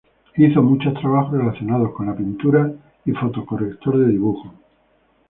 Hizo muchos trabajos relacionados con la pintura y foto-corrector de dibujo.